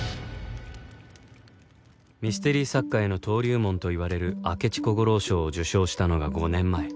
ミステリ作家への登竜門といわれる明智小五郎賞を受賞したのが５年前